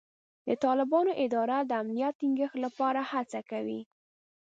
د طالبانو اداره د امنیت ټینګښت لپاره هڅې کوي.